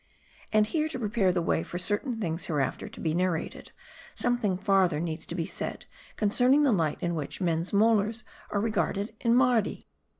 And here, to prepare the way for certain things hereafter to be narrated, something farther needs be said concerning the light in which men's molars are regarded in Mardi.